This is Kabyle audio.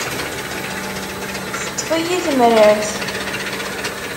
Teṭṭef-iyi temrart.